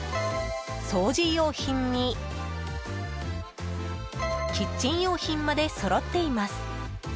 掃除用品にキッチン用品までそろっています。